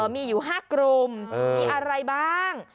มีอยู่๕กลุ่มมีอะไรบ้าง